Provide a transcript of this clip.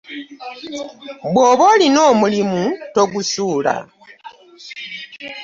Bw'oba olina omulimu togusuula.